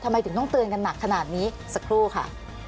ทำไมถึงต้องเตือนกันหนักขนาดนี้สักครู่ค่ะ